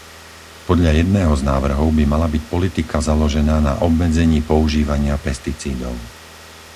Podľa jedného z návrhov by mala byť politika založená na obmedzení používania pesticídov.